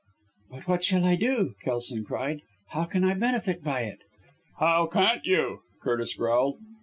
"But what shall I do?" Kelson cried. "How can I benefit by it?" "How can't you?" Curtis growled.